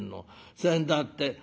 せんだって